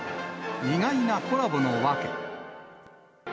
意外なコラボの訳。